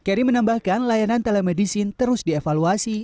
keri menambahkan layanan telemedicine terus dievaluasi